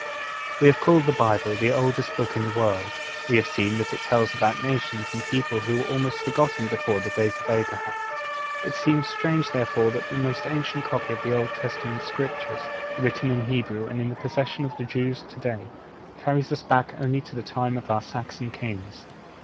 We have called the Bible the oldest Book in the world; we have seen that it tells about nations and people who were almost forgotten before the days of Abraham. It seems strange, therefore, that the most ancient copy of the Old Testament Scriptures, written in Hebrew and in the possession of the Jews to day, carries us back only to the time of our Saxon kings.